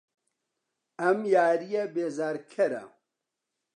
ئەم یارییە بێزارکەرە.